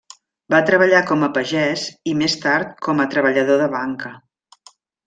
Va treballar com a pagès i més tard com a treballador de banca.